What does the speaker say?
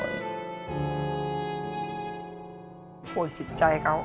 ห่วงจิตใจเขา